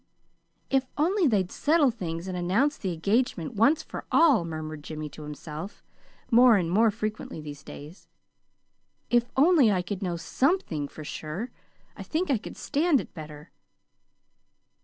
"If only they'd settle things and announce the engagement, once for all," murmured Jimmy to himself, more and more frequently these days. "If only I could know SOMETHING for sure, I think I could stand it better!"